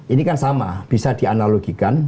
ini kan sama bisa dianalogikan